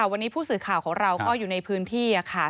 วันนี้ผู้สื่อข่าวของเราก็อยู่ในพื้นที่ค่ะ